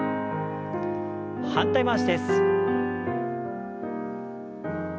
反対回しです。